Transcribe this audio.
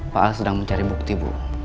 pak a sedang mencari bukti bu